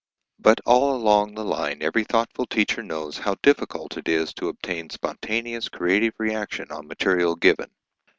But all along the line every thoughtful teacher knows how difficult it is to obtain spontaneous, creative reaction on material given.